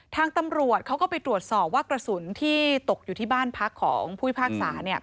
ทางตำรวจเขาก็ไปตรวจสอบว่ากระสุนที่ตกอยู่ที่บ้านพักของผู้พิพากษา